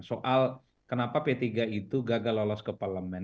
soal kenapa p tiga itu gagal lolos ke parlemen